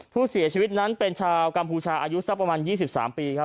ผู้เสียชีวิตนั้นเป็นชาวกัมพูชาอายุสักประมาณ๒๓ปีครับ